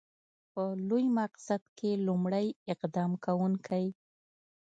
په لوی مقصد کې لومړی اقدام کوونکی.